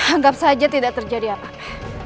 anggap saja tidak terjadi apa apa